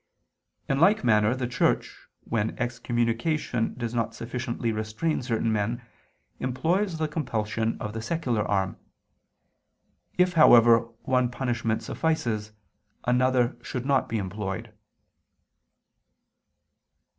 In like manner the Church, when excommunication does not sufficiently restrain certain men, employs the compulsion of the secular arm. If, however, one punishment suffices, another should not be employed.